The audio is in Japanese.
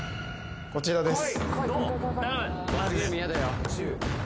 こちらです